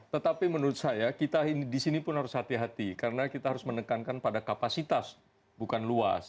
tetapi menurut saya kita di sini pun harus hati hati karena kita harus menekankan pada kapasitas bukan luas